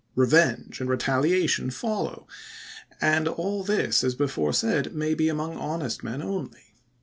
Revenge and retaliation follow. And all this, as before said, may be among honest men onl}